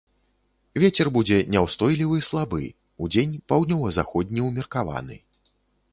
Вецер будзе няўстойлівы слабы, удзень паўднёва-заходні ўмеркаваны.